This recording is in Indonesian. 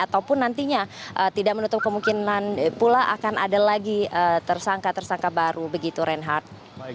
ataupun nantinya tidak menutup kemungkinan pula akan ada lagi tersangka tersangka baru begitu reinhardt